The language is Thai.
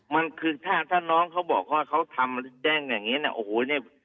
มันคือถ้าถ้าน้องเขาบอกว่าเขาทำแจ้งอย่างนี้นะโอ้โหเนี่ย